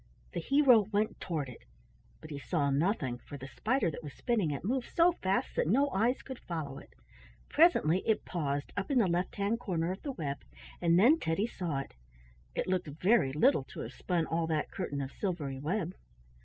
The hero went toward it, but he saw nothing, for the spider that was spinning it moved so fast that no eyes could follow it. Presently it paused up in the left hand corner of the web, and then Teddy saw it. It looked very little to have spun all that curtain of silvery web.